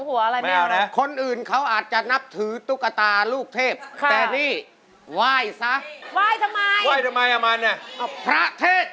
มันยังทานเดียวกัน